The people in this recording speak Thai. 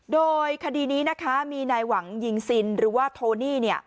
โดยคดีนี้นะคะมีนายหวังยิงซินหรือว่าโทนี่